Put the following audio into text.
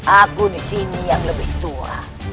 aku di sini yang lebih tua